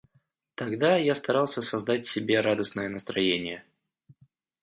Тогда я старался создать себе радостное настроение.